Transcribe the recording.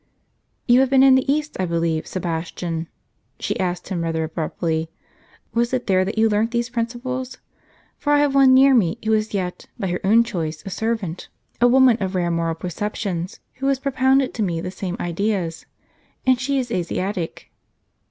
"You have been in the East, I believe, Sebastian," she asked him, rather abruptly; "was it there that you learnt these principles? For I have one near me, who is yet, by her own choice, a servant, a woman of rare moral perceptions, who has propounded to me the same ideas; and she is an Asiatic."